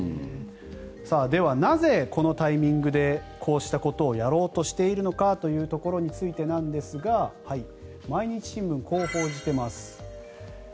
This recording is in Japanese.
ではなぜこのタイミングでこうしたことをやろうとしているのかというところについてですが毎日新聞はこう報じています。